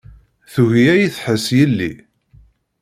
Tugi ad yi-tḥess yelli.